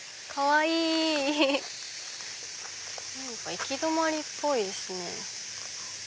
行き止まりっぽいですね。